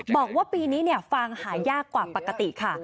บอกว่าปีนี้ฟางหายากกว่าปกติค่ะ